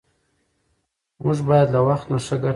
موږ باید له وخت نه ښه ګټه واخلو